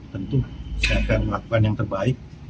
tentu saya akan melakukan yang terbaik